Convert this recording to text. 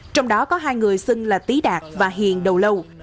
trong đó có hai người xưng là tý đạt và hiền đầu lâu